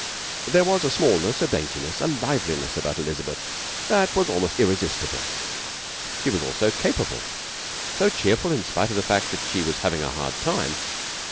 There was a smallness, a daintiness, a liveliness about Elizabeth that was almost irresistible. She was so capable, so cheerful in spite of the fact that she was having a hard time.